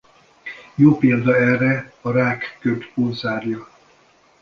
Jó példa erre a Rák-köd pulzárja.